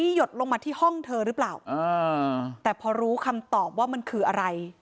หยดลงมาที่ห้องเธอหรือเปล่าอ่าแต่พอรู้คำตอบว่ามันคืออะไร